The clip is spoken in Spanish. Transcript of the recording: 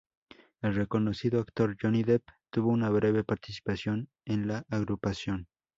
El reconocido actor Johnny Depp tuvo una breve participación en la agrupación.